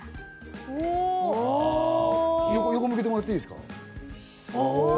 横向けてもらっていいですか？